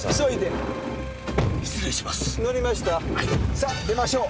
さぁ出ましょう。